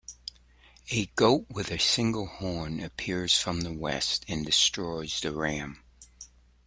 A goat with a single horn appears from the west and destroys the ram.